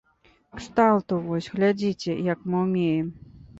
Кшталту, вось, глядзіце, як мы ўмеем!